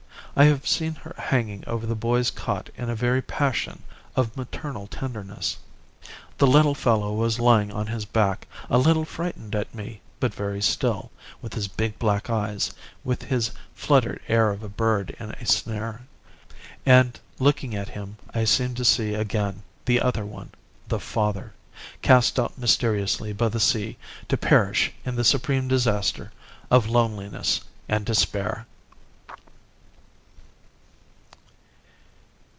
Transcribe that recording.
I have seen her hanging over the boy's cot in a very passion of maternal tenderness. The little fellow was lying on his back, a little frightened at me, but very still, with his big black eyes, with his fluttered air of a bird in a snare. And looking at him I seemed to see again the other one the father, cast out mysteriously by the sea to perish in the supreme disaster of loneliness and despair."